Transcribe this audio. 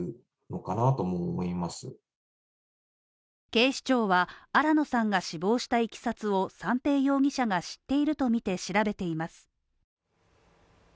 警視庁は新野さんが死亡した経緯を三瓶容疑者が知っているとみて調べています。